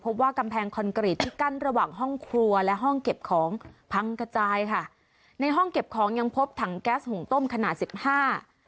พบว่ากำแพงคอนกรีตที่กั้นระหว่างห้องครัวและห้องเก็บของพังกระจายค่ะในห้องเก็บของยังพบถังแก๊สหุงต้มขนาดสิบห้า